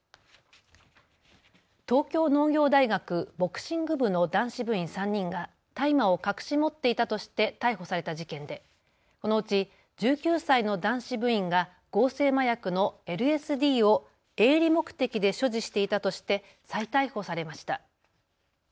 東京農業大学ボクシング部の男子部員３人が大麻を隠し持っていたとして逮捕された事件でこのうち１９歳の男子部員が合成麻薬のＬＳＤを営利目的で所持していたとして再逮捕されました。